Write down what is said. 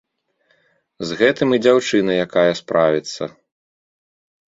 З гэтым і дзяўчына якая справіцца.